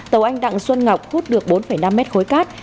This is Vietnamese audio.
tàu anh đặng xuân ngọc hút được bốn năm mét khối cát